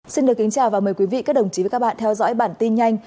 xin được kính chào và mời quý vị các đồng chí và các bạn theo dõi bản tin nhanh